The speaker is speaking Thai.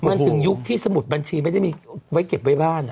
มันถึงยุคที่สมุดบัญชีไม่ได้มีไว้เก็บไว้บ้าน